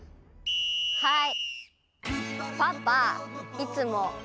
はい。